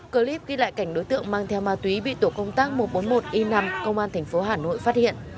clip ghi lại cảnh đối tượng mang theo ma túy bị tổ công tác một trăm bốn mươi một i năm công an tp hà nội phát hiện